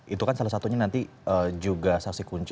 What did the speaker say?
itu kan salah satunya nanti juga saksi kunci